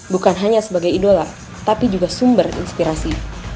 bukan hanya sebagai idola tapi juga sumber inspirasi